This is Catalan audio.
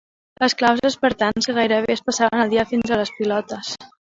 Esclaus espartans que gairebé es passaven el dia fins a les pilotes.